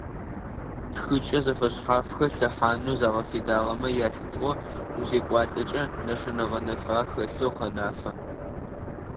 Тхыкӏэ зэфэшъхьафхэр лъэхъанэу загъэфедагъэмэ ялъытыгъэу узекӏуалӏэкӏэ, нэшэнэ гъэнэфагъэ хэлъэу къэнафэ.